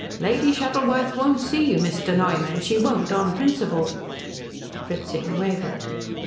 "Lady Shuttleworth won't see you, Mr. Noyman. She won't on principle." Fritzing wavered.